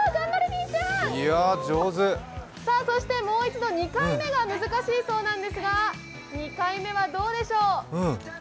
そしてもう一度、２回目が難しいそうなんですが、２回目はどうでしょう。